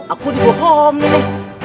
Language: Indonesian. aku tuh bohong ini